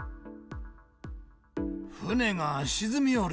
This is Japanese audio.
船が沈みよる。